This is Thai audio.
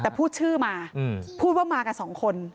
แต่พูดชื่อมาพูดว่ามากับสองคน